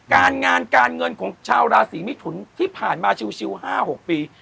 การงานการเงินของชาวราศีมิถุนที่ผ่านมาชิว๕๖ปี